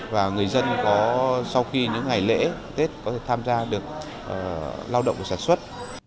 và người dân có sau khi những ngày lễ tết có thể tham gia được lao động sản xuất